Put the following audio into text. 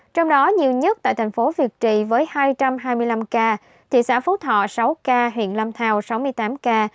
trong đó nhiều nhất tại thành phố việt trị với hai trăm hai mươi năm ca thị xã phú thọ sáu ca huyện lâm thao sáu mươi tám ca